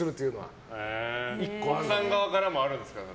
奥さん側からもあるんですか？